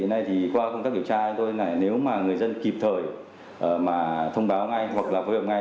hiện nay thì qua công tác điều tra như thế này nếu mà người dân kịp thời mà thông báo ngay hoặc là phối hợp ngay